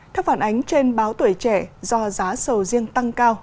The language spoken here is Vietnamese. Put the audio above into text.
theo phản ánh trên báo tuổi trẻ do giá sầu riêng tăng cao